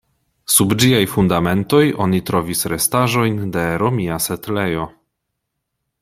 Sub ĝiaj fundamentoj oni trovis restaĵojn de romia setlejo.